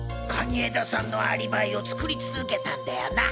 蟹江田さんのアリバイを作り続けたんだよな。